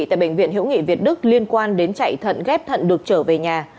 tại bệnh viện hữu nghị việt đức liên quan đến chạy thận ghép thận được trở về nhà